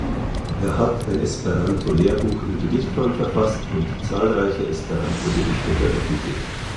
Er hat ein Esperanto-Lehrbuch in Gedichtform verfasst und zahlreiche Esperanto-Gedichte veröffentlicht.